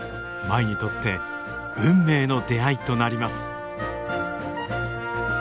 舞にとって運命の出会いとなります。